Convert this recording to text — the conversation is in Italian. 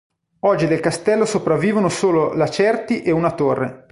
Oggi del castello sopravvivono solo lacerti e una torre.